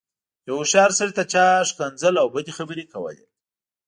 يوه هوښيار سړي ته چا ښکنځلې او بدې خبرې کولې.